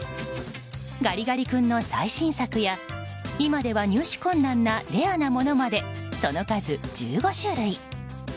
ガリガリ君の最新作や今では入手困難なレアなものまでその数、１５種類。